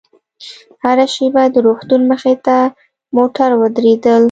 هره شېبه د روغتون مخې ته موټر درېدل.